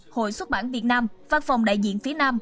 hội xuất bản việt nam văn phòng đại dịch